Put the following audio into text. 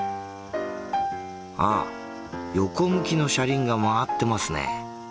あっ横向きの車輪が回ってますね。